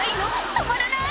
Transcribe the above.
止まらない！